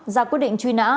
ra quyết định truy nã